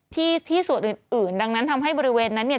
ที่ส่วนอื่นดังนั้นทำให้บริเวณนั้นเนี่ย